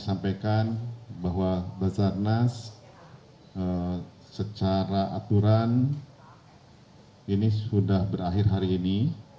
kami sampaikan bahwa bazar nas secara aturan ini sudah berakhir hari ini